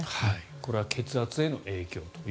これは血圧への影響と。